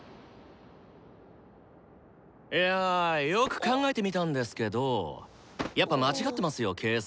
いやよく考えてみたんですけどやっぱ間違ってますよ計算。